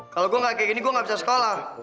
kalau gue gak kayak gini gue gak bisa sekolah